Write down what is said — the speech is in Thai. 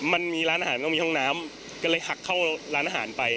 มันมีร้านอาหารต้องมีห้องน้ำก็เลยหักเข้าร้านอาหารไป